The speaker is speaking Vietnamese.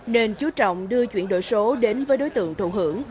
nên chú trọng đưa chuyển đổi số đến với đối tượng thụ hưởng